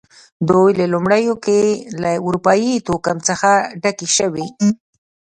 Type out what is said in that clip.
دوی په لومړیو کې له اروپايي توکم څخه ډکې شوې.